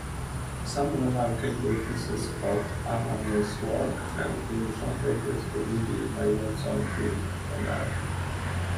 Some remarkable pieces of Arany's works have been translated to English by Watson Kirkconnell.